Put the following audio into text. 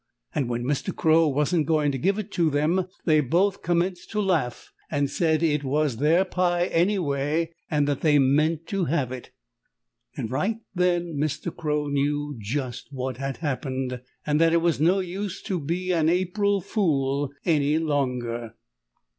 And when Mr. Crow wasn't going to give it to them they both commenced to laugh and said it was their pie anyway, and that they meant to have it. And right then Mr. Crow knew just what had happened, and that it was no use to be an April fool any longer.